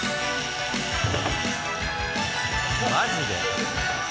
マジで？